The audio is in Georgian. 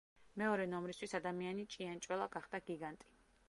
მეორე ნომრისთვის ადამიანი ჭიანჭველა გახდა გიგანტი.